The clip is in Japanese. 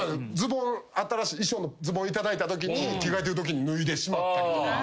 新しい衣装のズボン頂いたときに着替えてるときに脱いでしまったりとか。